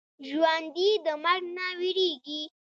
ژوندي د مرګ نه وېرېږي